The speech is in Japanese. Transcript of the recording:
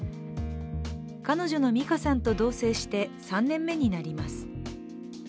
彼女の美花さんと同せいして３年目になります。